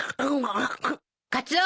カツオ。